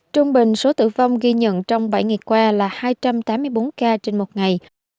trung bình số tử vong ghi nhận trong bảy ngày qua là hai trăm tám mươi bốn ca trên một ngày